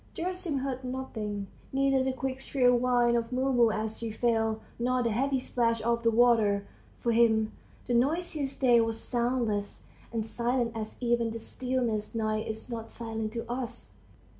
... Gerasim heard nothing, neither the quick shrill whine of Mumu as she fell, nor the heavy splash of the water; for him the noisiest day was soundless and silent as even the stillest night is not silent to us.